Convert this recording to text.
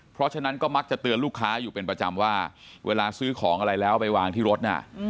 เพราะฉะนั้นก็มักจะเตือนลูกค้าอยู่เป็นประจำว่าเวลาซื้อของอะไรแล้วไปวางที่รถน่ะ